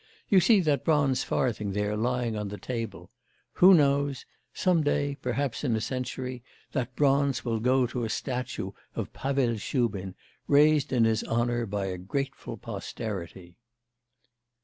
You see that bronze farthing there lying on your table. Who knows; some day, perhaps in a century, that bronze will go to a statue of Pavel Shubin, raised in his honour by a grateful posterity!